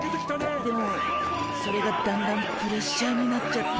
でもそれがだんだんプレッシャーになっちゃって。